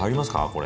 これ。